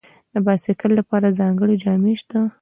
د بایسکل لپاره ځانګړي جامې شته.